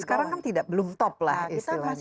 sekarang kan belum top lah istilahnya